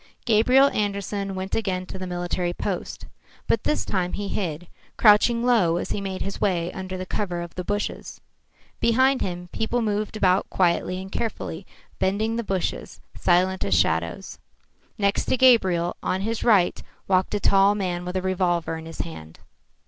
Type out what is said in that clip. Gabriel Andersen went again to the military post. But this time he hid, crouching low as he made his way under the cover of the bushes. Behind him people moved about quietly and carefully, bending the bushes, silent as shadows. Next to Gabriel, on his right, walked a tall man with a revolver in his hand.